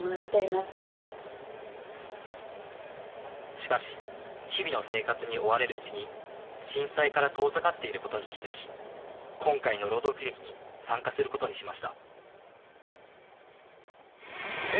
しかし、日々の生活に追われるうちに、震災から遠ざかっていることに気付き、今回の朗読劇に参加することにしました。